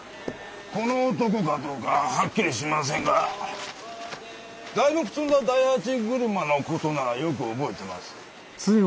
この男かどうかはっきりしませんが材木積んだ大八車の事ならよく覚えてます。